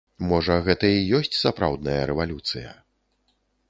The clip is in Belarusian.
Можа, гэта і ёсць сапраўдная рэвалюцыя.